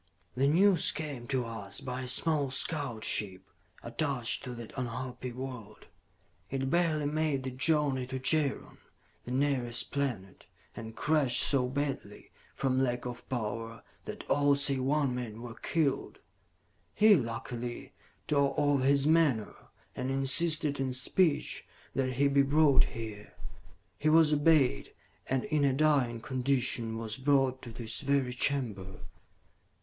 "The news came to us by a small scout ship attached to that unhappy world. It barely made the journey to Jaron, the nearest planet, and crashed so badly, from lack of power, that all save one man were killed. "He, luckily, tore off his menore, and insisted in speech that he be brought here. He was obeyed, and, in a dying condition, was brought to this very chamber."